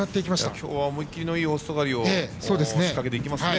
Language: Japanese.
今日は思い切りのいい大外刈りを仕掛けますね